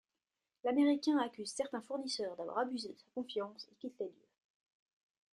L'Américain accuse certains fournisseurs d'avoir abusé de sa confiance et quitte les lieux.